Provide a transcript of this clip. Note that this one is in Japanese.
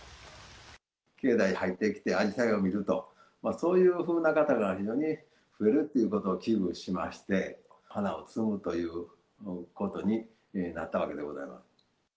境内入ってきて、アジサイを見ると、そういうふうな方が非常に増えるということを危惧しまして、花を摘むということになったわけでございます。